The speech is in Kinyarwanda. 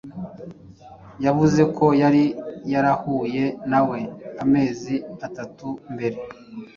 Yavuze ko yari yarahuye nawe amezi atatu mbere.